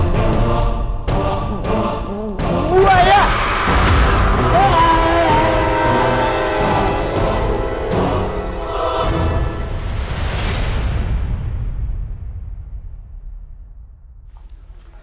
tunggu mama lama banget sih